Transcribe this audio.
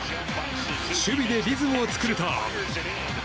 守備でリズムを作ると。